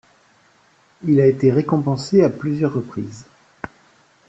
Il a été récompensé à plusieurs reprises.